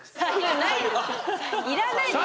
いらないでしょ。